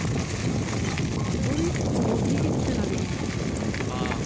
グリップを握って投げてるんですね。